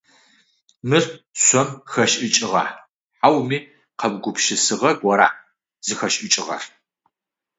Мыр шъом хэшӏыкӏыгъа, хьауми къэугупшысыгъэ гора зыхэшӏыкӏыгъэр?